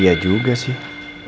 iya juga sih